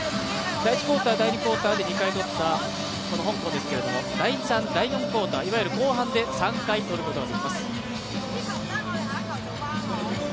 第１クオーター、第２クオーターで２回とったこの香港ですけど第３、第４クオーター、いわゆる後半で３回、とることができます。